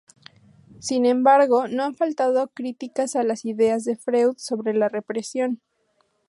Sin embargo, no han faltado críticas a las ideas de Freud sobre la represión.